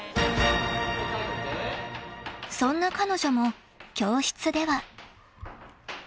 ［そんな彼女も教室では］